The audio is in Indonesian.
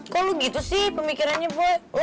kok lo gitu sih pemikirannya boy